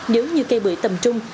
nếu như cây bưởi tầm trung